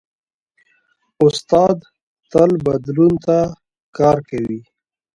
استاد تل بدلون ته کار کوي.